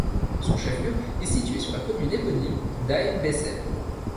Son chef-lieu est situé sur la commune éponyme d'Aïn Bessem.